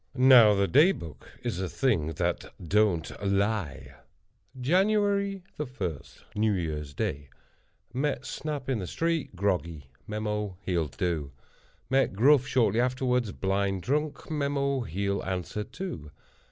Now, the Day Book is a thing that don't lie. "Jan. 1.—New Year's Day. Met Snap in the street, groggy. Mem—he'll do. Met Gruff shortly afterward, blind drunk. Mem—he'll answer, too.